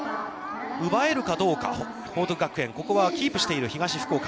奪えるかどうか、報徳学園、ここはキープしている東福岡。